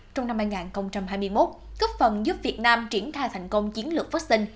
trong năm hai nghìn hai mươi một cấp phần giúp việt nam triển khai thành công chiến lược foxin